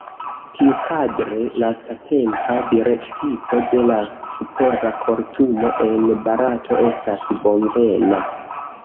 Tiukadre lastatempa direktivo de la supera kortumo en Barato estas bonvena.